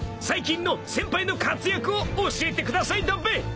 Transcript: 最近の先輩の活躍を教えてくださいだべ。